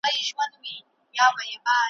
د شته من په کور کي غم دوی ته مېله وه ,